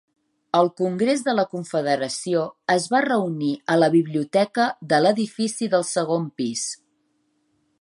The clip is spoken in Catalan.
El Congrés de la Confederació es va reunir a la biblioteca de l'edifici del segon pis.